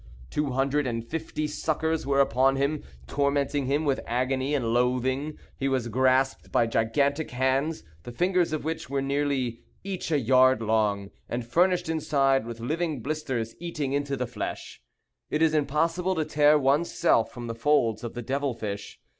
Two hundred and fifty suckers were upon him, tormenting him with agony and loathing. He was grasped by gigantic hands, the fingers of which were each nearly a yard long, and furnished inside with living blisters eating into the flesh. It is impossible to tear one's self from the folds of the devil fish.